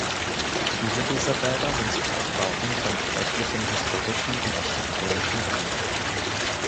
Viele dieser Bäder sind zugleich Bauten von beträchtlichem historischen wie architektonischen Rang.